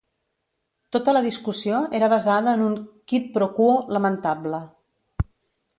Tota la discussió era basada en un 'quid pro quo' lamentable.